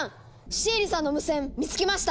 シエリさんの無線見つけました！